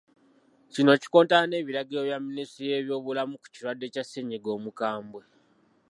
Kino kikontana n’ebiragiro bya Minisitule y’ebyobulamu ku kirwadde kya ssennyiga omukambwe.